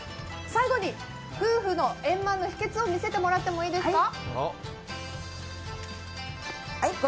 最後に、夫婦の円満の秘訣を見せてもらってもいいですか。